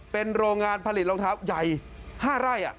เป็นโรงงานผลิตรองเท้าใหญ่๕ไร่